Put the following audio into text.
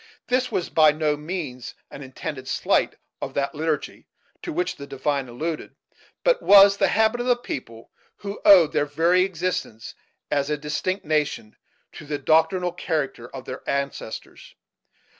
This was by no means an intended slight of that liturgy to which the divine alluded, but was the habit of a people who owed their very existence, as a distinct nation, to the doctrinal character of their ancestors.